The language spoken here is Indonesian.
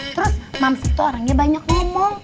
terus mams tuh orangnya banyak ngomong